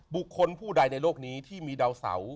บุคคลผู้ใดในโลกนี้ที่มีดาวเสา